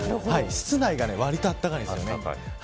室内は、わりと暖かいです。